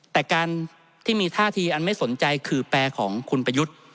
แต่การที่มีท่าทีอันไม่สนใจคือแปลของคุณประยุทธ์